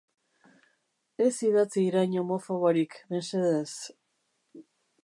Ez idatzi irain homofoborik, mesedez.